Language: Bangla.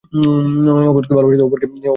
অপরকে ভালবাসাই ধর্ম, অপরকে ঘৃণা করাই পাপ।